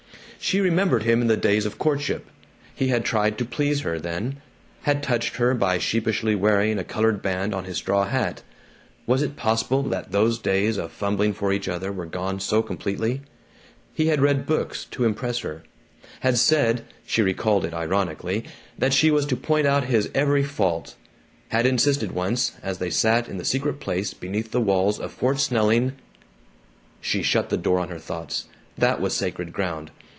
She remembered him in the days of courtship. He had tried to please her, then, had touched her by sheepishly wearing a colored band on his straw hat. Was it possible that those days of fumbling for each other were gone so completely? He had read books, to impress her; had said (she recalled it ironically) that she was to point out his every fault; had insisted once, as they sat in the secret place beneath the walls of Fort Snelling She shut the door on her thoughts. That was sacred ground.